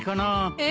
え？